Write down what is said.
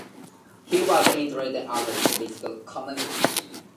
He was interred at Lexington Cemetery.